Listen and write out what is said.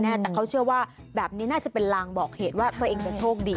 แต่เขาเชื่อว่าแบบนี้น่าจะเป็นลางบอกเหตุว่าตัวเองจะโชคดี